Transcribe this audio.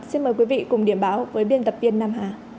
xin mời quý vị cùng điểm báo với biên tập viên nam hà